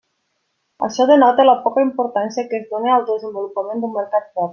Això denota la poca importància que es dóna al desenvolupament d'un mercat propi.